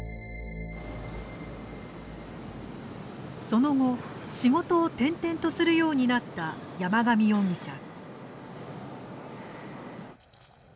その後仕事を転々とするようになった山上容疑者。